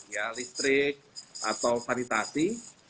ya listrik atau sanitasi